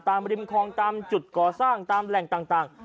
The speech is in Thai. ริมคลองตามจุดก่อสร้างตามแหล่งต่าง